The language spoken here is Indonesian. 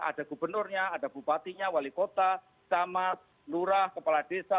ada gubernurnya ada bupatinya wali kota camas lurah kepala desa